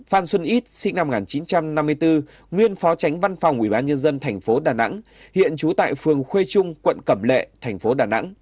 phan xuân ít sinh năm một nghìn chín trăm năm mươi bốn nguyên phó tránh văn phòng ủy ban nhân dân tp đà nẵng hiện trú tại phường khuê trung quận cẩm lệ tp đà nẵng